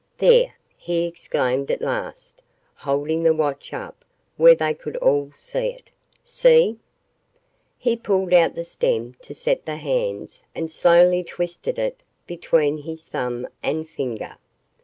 "There," he exclaimed at last, holding the watch up where they could all see it. "See!" He pulled out the stem to set the hands and slowly twisted it between his thumb and finger.